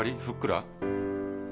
ふっくら？